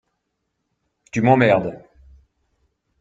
Tu m’emmerdes.